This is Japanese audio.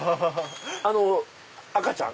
あの赤ちゃん？